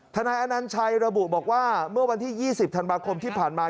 นายอนัญชัยระบุบอกว่าเมื่อวันที่๒๐ธันวาคมที่ผ่านมา